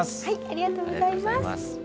ありがとうございます。